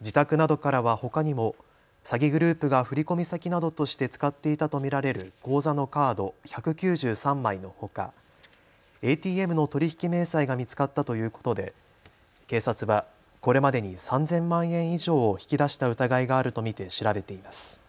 自宅などからはほかにも詐欺グループが振込先などとして使っていたと見られる口座のカード１９３枚のほかＡＴＭの取り引き明細が見つかったということで警察はこれまでに３０００万円以上を引き出した疑いがあると見て調べています。